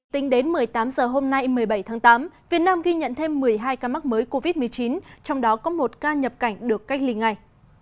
tính đến một mươi tám h hôm nay một mươi bảy tháng tám việt nam ghi nhận thêm một mươi hai ca mắc mới covid một mươi chín trong đó có một ca nhập cảnh được cách ly ngay